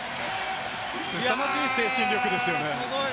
すさまじい精神力ですよね。